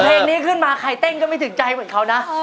เพลงนี้ขึ้นมาใครเต้นก็ไม่ถึงใจเหมือนเขานะ